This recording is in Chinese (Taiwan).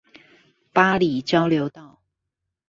八里交流道